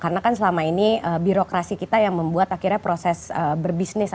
karena kan selama ini birokrasi kita yang membuat akhirnya proses berbisnis